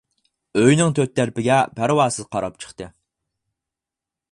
ئۆينىڭ تۆت تەرىپىگە پەرۋاسىز قاراپ چىقتى.